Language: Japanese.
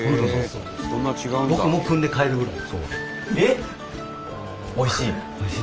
僕もくんで帰るぐらい。